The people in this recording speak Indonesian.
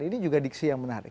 ini juga diksi yang menarik